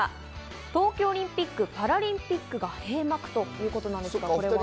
東京オリンピック・パラリンピックが閉幕ということなんですが。